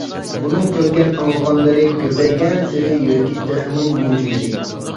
ئۇنىڭ كۆرگەن، ئاڭلىغانلىرى كۆپەيگەنسېرى يۈرىكى تېخىمۇ مۇجۇلدى.